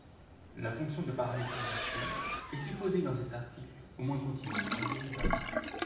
La fonction de paramétrisation est supposée dans cet article au moins continûment dérivable.